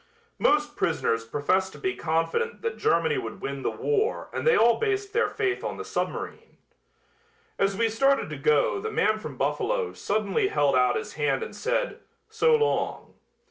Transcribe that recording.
Most prisoners professed to be confident that Germany would win the war and they all based their faith on the submarine. As we started to go the man from Buffalo suddenly held out his hand and said: "So long."